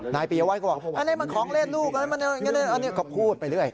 ปียวัตรก็บอกอันนี้มันของเล่นลูกอะไรอันนี้ก็พูดไปเรื่อย